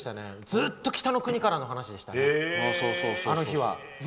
ずっと「北の国から」の話でしたね、あの日は。